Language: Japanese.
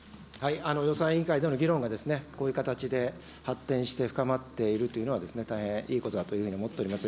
予算委員会での議論がこういう形で発展して深まっているというのは、大変いいことだというふうに思っております。